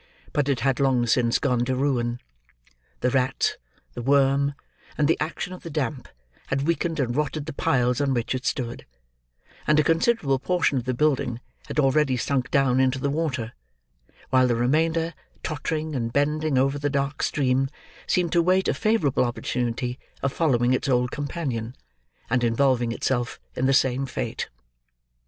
But it had long since gone to ruin. The rat, the worm, and the action of the damp, had weakened and rotted the piles on which it stood; and a considerable portion of the building had already sunk down into the water; while the remainder, tottering and bending over the dark stream, seemed to wait a favourable opportunity of following its old companion, and involving itself in the same fate.